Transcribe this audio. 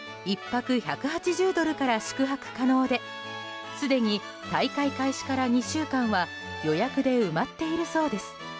１泊１８０ドルから宿泊可能ですでに大会開始から２週間は予約で埋まっているそうです。